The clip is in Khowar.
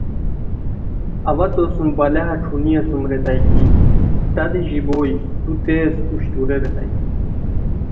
اوا تو سوم بلاہہ ݯھونی اسوم ریتائے کی، تہ دی ژیبوئے تو تیز اوشٹورے ریتائے